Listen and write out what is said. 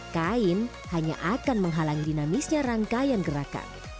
kain hanya akan menghalangi dinamisnya rangkaian gerakan